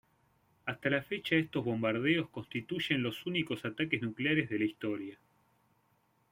Hasta la fecha estos bombardeos constituyen los únicos ataques nucleares de la historia.